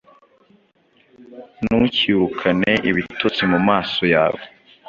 Ntukirukane ibitotsi mumaso yawe!